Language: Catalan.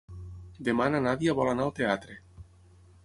Demà na Nàdia vol anar al teatre.